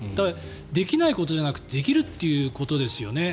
できないことじゃなくてできるということですよね。